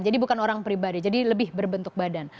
jadi bukan orang pribadi jadi lebih berbentuk badan